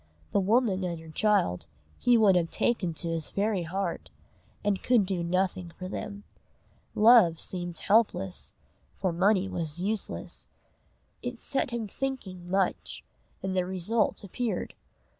The woman and her child he would have taken to his very heart, and could do nothing for them. Love seemed helpless, for money was useless. It set him thinking much, and the result appeared.